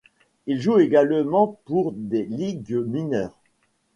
Il joue également pour des ligues mineures.